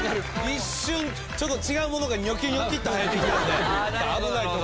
一瞬ちょっと違うものがにょきにょきっと生えてきたんで危ないとこやった。